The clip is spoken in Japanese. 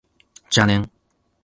邪念